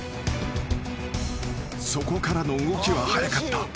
［そこからの動きは早かった］